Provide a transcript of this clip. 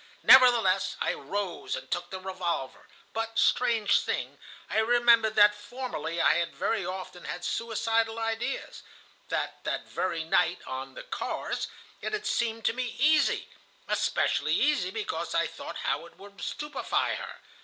Nevertheless, I rose and took the revolver, but, strange thing, I remembered that formerly I had very often had suicidal ideas, that that very night, on the cars, it had seemed to me easy, especially easy because I thought how it would stupefy her.